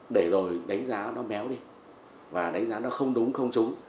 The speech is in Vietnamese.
để rồi đánh giá nó méo đi và đánh giá nó không đúng không trúng